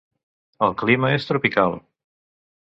El clima és tropical.